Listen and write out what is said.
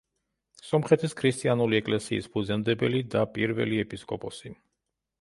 სომხეთის ქრისტიანული ეკლესიის ფუძემდებელი და პირველი ეპისკოპოსი.